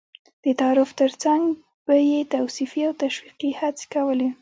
د تعارف تر څنګ به یې توصيفي او تشويقي هڅې کولې.